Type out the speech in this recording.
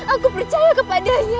aku percaya kepadanya